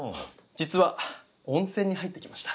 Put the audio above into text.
実は温泉に入ってきました。